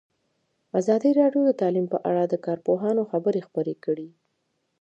ازادي راډیو د تعلیم په اړه د کارپوهانو خبرې خپرې کړي.